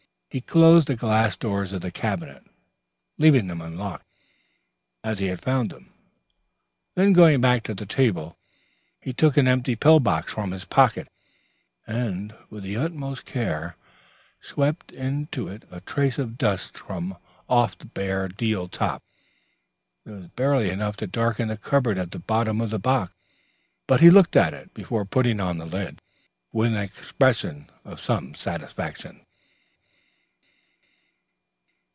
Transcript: He closed the glass doors of the cabinet, leaving them unlocked, as he had found them. Then, going back to the table, he took an empty pill box from his pocket, and with the utmost care swept into it a trace of dust from off the bare deal top. There was barely enough to darken the cardboard at the bottom of the box, but he looked at it, before putting on the lid, with an expression of some satisfaction.